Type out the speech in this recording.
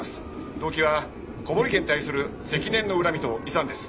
動機は小堀家に対する積年の恨みと遺産です。